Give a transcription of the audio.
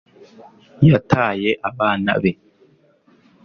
yataye abana be